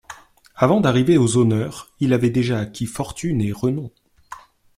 Avant d'arriver aux honneurs, il avait déjà acquis fortune et renom.